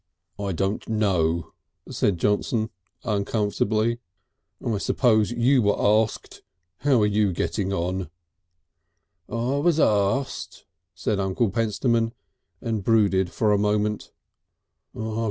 "I don't know," said Johnson uncomfortably. "I suppose you were asked. How are you getting on?" "I was arst," said Uncle Pentstemon, and brooded for a moment.